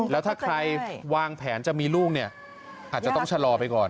แล้วถ้าใครวางแผนจะมีลูกเนี่ยอาจจะต้องชะลอไปก่อน